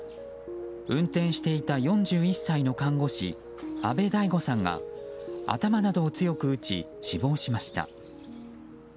運転していた４１歳の看護師安部大悟さんが頭などを強く打ち死亡しました。